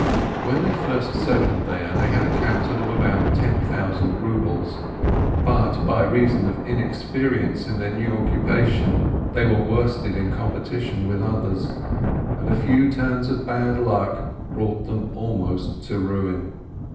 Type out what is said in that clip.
When they first settled there, they had a capital of about ten thousand rubles, but by reason of inexperience in their new occupation they were worsted in compe tition with others, and a few turns of bad luck brought them almost to ruin.